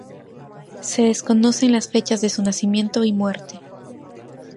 Se desconocen las fechas de su nacimiento y muerte.